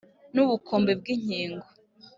n’ubukombe bw’ingingo